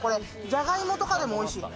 じゃがいもとかでもおいしい。